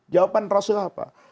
jawaban rasulullah apa